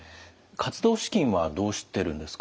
活動資金はどうしてるんですか？